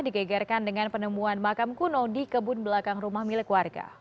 digegerkan dengan penemuan makam kuno di kebun belakang rumah milik warga